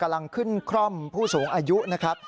กำลังขึ้นคร่อมผู้สูงอายุนะครับ